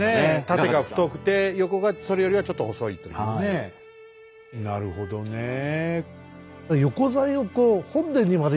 縦が太くて横がそれよりはちょっと細いというねなるほどねえ。